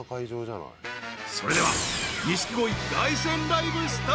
［それでは］